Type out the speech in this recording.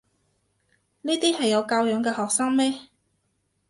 呢啲係有教養嘅學生咩？